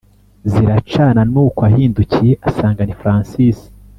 ziracana nuko ahindukiye asanga ni francis